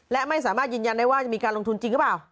และไม่สามารถยืนยันได้ว่าจะมีการลงทุนจริงหรือเปล่า